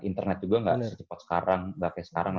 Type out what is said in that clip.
internet juga nggak secepat sekarang nggak kayak sekarang